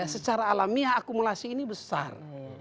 secara alamiah akumulasi ini besar